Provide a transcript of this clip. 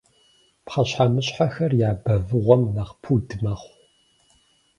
Пхъэщхьэмыщхьэхэр я бэвыгъуэм нэхъ пуд мэхъу.